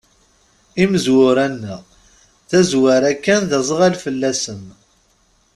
Imezwura-nneɣ, tazwara kan d aẓɣal fell-asen.